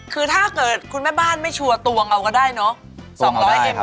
คือถ้าเกิดคุณแม่บ้านไม่ชัวร์ตวงเอาก็ได้เนอะ